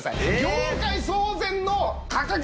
「業界騒然の価格破壊！」